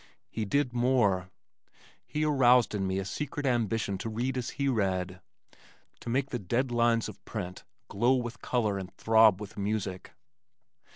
He did more, he aroused in me a secret ambition to read as he read, to make the dead lines of print glow with color and throb with music.